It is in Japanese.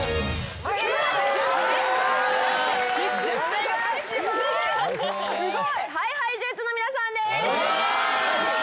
お願いします。ＨｉＨｉＪｅｔｓの皆さんです。